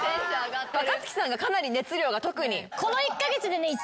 若槻さんがかなり熱量が特に。